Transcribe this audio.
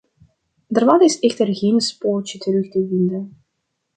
Daarvan is echter geen spoortje terug te vinden.